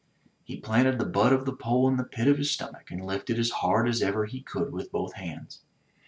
He planted the butt of the pole in the pit of his stomach, and lifted as hard as ever he could with both hands.